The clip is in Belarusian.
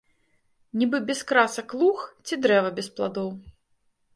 Нібы без красак луг ці дрэва без пладоў.